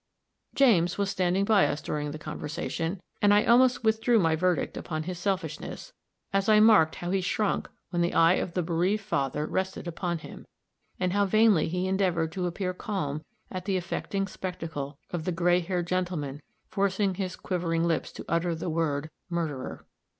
James was standing by us during the conversation; and I almost withdrew my verdict upon his selfishness, as I marked how he shrunk when the eye of the bereaved father rested upon him, and how vainly he endeavored to appear calm at the affecting spectacle of the gray haired gentleman forcing his quivering lips to utter the word "murderer."